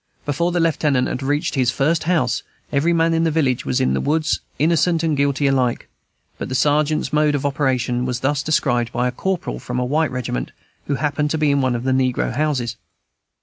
Before the lieutenant had reached his first house, every man in the village was in the woods, innocent and guilty alike. But the sergeant's mode of operation was thus described by a corporal from a white regiment who happened to be in one of the negro houses.